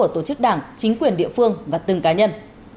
tổ chức đảng chính quyền địa phương và từng cá nhân